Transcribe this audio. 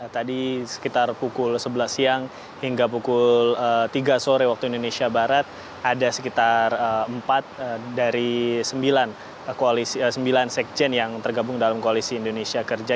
tadi sekitar pukul sebelas siang hingga pukul tiga sore waktu indonesia barat ada sekitar empat dari sembilan sekjen yang tergabung dalam koalisi indonesia kerja